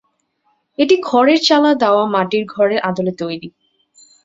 এটি খড়ের চালা দাওয়া মাটির ঘরের আদলে তৈরী।